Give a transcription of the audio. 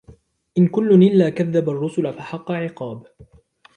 إِنْ كُلٌّ إِلَّا كَذَّبَ الرُّسُلَ فَحَقَّ عِقَابِ